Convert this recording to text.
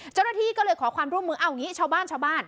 เจ้าหน้าที่ก็เลยขอความร่วมมือเอางี้ชาวบ้านชาวบ้าน